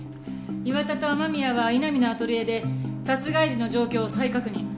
岩田と雨宮は井波のアトリエで殺害時の状況を再確認。